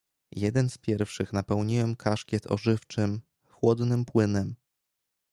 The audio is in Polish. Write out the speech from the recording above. "Jeden z pierwszych napełniłem kaszkiet ożywczym, chłodnym płynem."